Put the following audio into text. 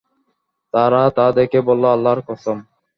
তারা তা দেখে বলল, আল্লাহর কসম!